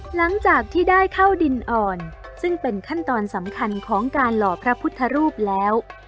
หลังจากที่ได้เข้าดินอ่อนซึ่งเป็นขั้นตอนสำคัญของการหล่อพระพุทธรูปแล้ว